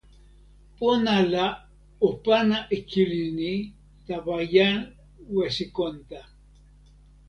pona la o pana e kili ni tawa jan Wesikonta.